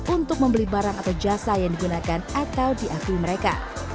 untuk membeli barang atau jasa yang digunakan atau diakui mereka